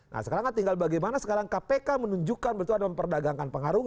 nah sekarang kan tinggal bagaimana sekarang kpk menunjukkan betul ada memperdagangkan pengaruh